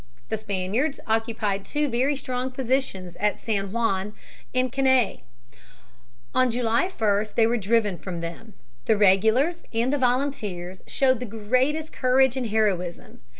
The Spaniards occupied two very strong positions at San Juan (San Huan) and Caney. On July 1 they were driven from them. The regulars and the volunteers showed the greatest courage and heroism.